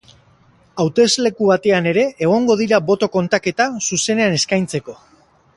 Hautesleku batean ere egongo dira boto kontaketa zuzenean eskaintzeko.